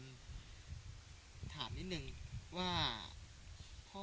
มันน่าจะปกติบ้านเรามีก้านมะยมไหม